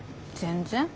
全然。